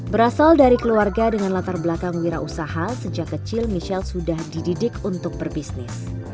berasal dari keluarga dengan latar belakang wira usaha sejak kecil michelle sudah dididik untuk berbisnis